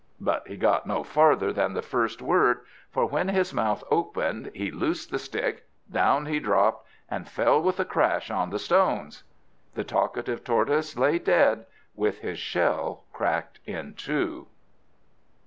But he got no farther than the first word; for when his mouth opened he loosed the stick, down he dropped, and fell with a crash on the stones. The talkative Tortoise lay dead, with his shell cracked in two.